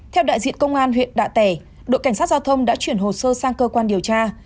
theo đại diện công an huyện đạ tẻ đội cảnh sát giao thông đã chuyển hồ sơ sang cơ quan điều tra